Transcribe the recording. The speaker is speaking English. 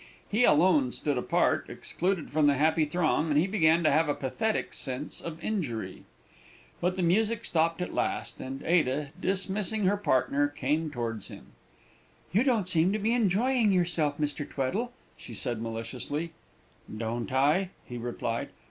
He alone stood apart, excluded from the happy throng, and he began to have a pathetic sense of injury. But the music stopped at last, and Ada, dismissing her partner, came towards him. "You don't seem to be enjoying yourself, Mr. Tweddle," she said maliciously. "Don't I?" he replied.